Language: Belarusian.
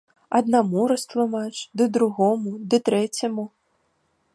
Аднаму растлумач, ды другому, ды трэцяму.